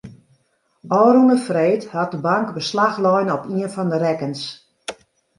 Ofrûne freed hat de bank beslach lein op ien fan de rekkens.